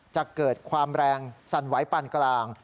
จะเกิดความแรงสั่นไหวปานกลาง